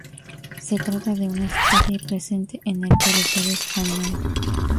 Se trata de una especie presente en el territorio Español.